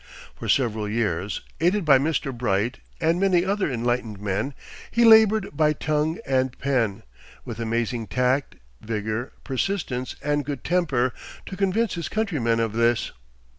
For several years, aided by Mr. Bright and many other enlightened men, he labored by tongue and pen, with amazing tact, vigor, persistence, and good temper, to convince his countrymen of this.